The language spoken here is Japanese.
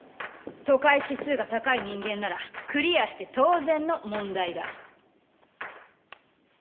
都会指数が高い人間ならクリアして当然の問題だ。